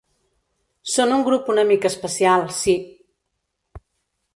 Són un grup una mica especial, sí.